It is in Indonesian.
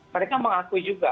mereka mengakui juga